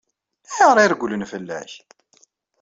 Ayɣer i regglent fell-ak?